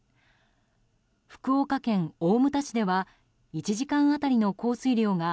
福岡県大牟田市では１時間当たりの降水量が